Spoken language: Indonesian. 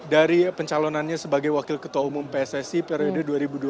dari pencalonannya sebagai wakil ketua umum pssi periode dua ribu dua puluh tiga dua ribu dua puluh tujuh